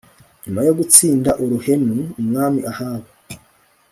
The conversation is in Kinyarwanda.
nyuma yo gutsinda uruhenu umwami Ahabu